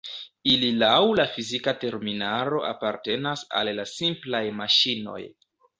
Ili laŭ la fizika terminaro apartenas al la simplaj maŝinoj.